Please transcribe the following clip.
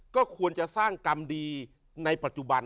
ก็ควรจะสร้างกรรมดีในปัจจุบัน